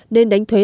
nên đánh thuế